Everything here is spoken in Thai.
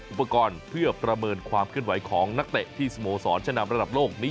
อุปกรณ์เพื่อประเมินความเคลื่อนไหวของนักเตะที่สโมสรชะนำระดับโลกนี้